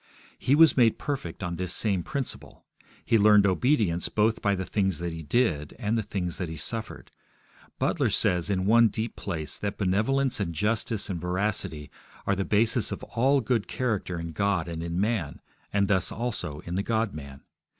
He was made perfect on this same principle. He learned obedience both by the things that He did, and the things that He suffered. Butler says in one deep place, that benevolence and justice and veracity are the basis of all good character in God and in man, and thus also in the God man.